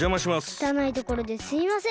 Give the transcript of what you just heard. きたないところですいません。